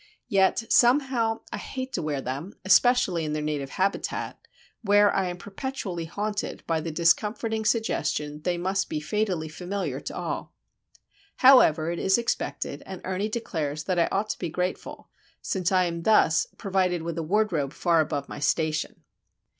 Yet, somehow, I hate to wear them,—especially in their native habitat, where I am perpetually haunted by the discomforting suggestion that they must be fatally familiar to all. However, it is expected; and Ernie declares that I ought to be grateful, since I am thus "provided with a wardrobe far above my station."